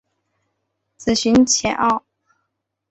子荀逝敖。